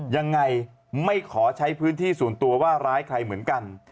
ยังไงไม่ขอใช้พื้นที่ส่วนตัวว่าร้ายใครเหมือนกัน